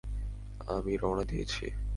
আমি রওনা দিয়েছি।